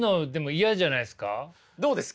どうですか？